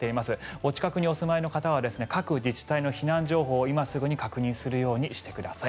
お近くにお住まいの方は各自治体の避難情報を今すぐに確認するようにしてください。